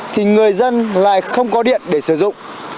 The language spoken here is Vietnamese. thì người dân lại không có điện để sử dụng